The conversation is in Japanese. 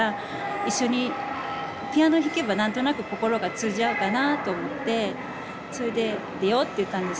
一緒にピアノ弾けば何となく心が通じ合うかなと思ってそれで「出よう」って言ったんですけど。